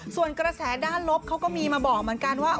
ส่วนกระแสด้านลบเขาก็มีมาบอกเหมือนกันว่า